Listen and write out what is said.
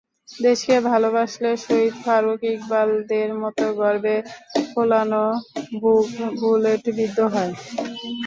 দেশকে ভালোবাসলে শহীদ ফারুক ইকবালদের মতো গর্বে ফোলানো বুক বুলেটবিদ্ধ হয়।